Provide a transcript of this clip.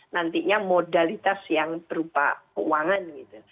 nantinya modalitas yang berupa keuangan